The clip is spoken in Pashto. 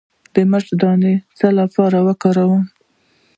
د مرچ دانه د څه لپاره وکاروم؟